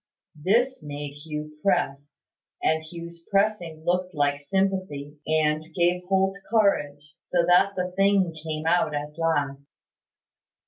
This made Hugh press; and Hugh's pressing looked like sympathy, and gave Holt courage: so that the thing came out at last.